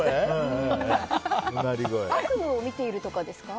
悪夢を見ているとかですか？